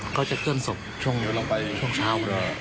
ก็จะเคลื่อนศพช่วงเช้า